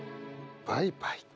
バイバイか。